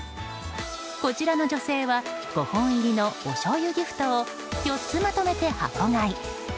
こちらの女性は５本入りのおしょうゆギフトを４つまとめて箱買い。